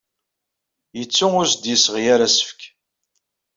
Yettu ur as-d-yesɣi ara asefk.